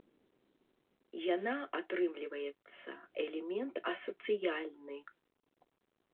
Яна, атрымліваецца, элемент асацыяльны.